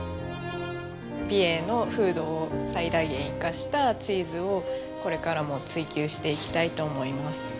美瑛の風土を最大限生かしたチーズをこれからも追求していきたいと思います。